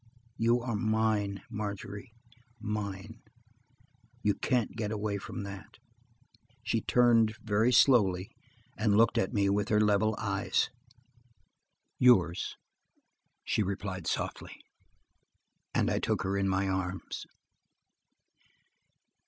You are mine, Margery–mine. You can't get away from that." She turned, very slowly, and looked at me with her level eyes. "Yours!" she replied softly, and I took her in my arms.